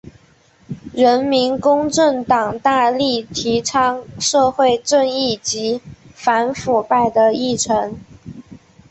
人民公正党大力提倡社会正义及反腐败的议程。